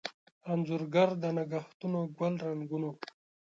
انځورګر دنګهتونوګل رنګونو